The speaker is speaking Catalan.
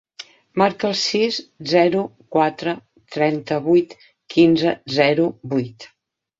Marca el sis, zero, quatre, trenta-vuit, quinze, zero, vuit.